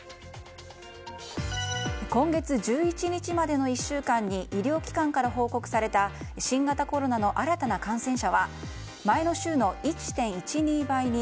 今月１１日までの１週間に医療機関から報告された新型コロナの新たな感染者は前の週の１．１２倍に